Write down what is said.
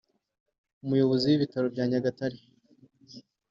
Umuyobozi w’Ibitaro bya Nyagatare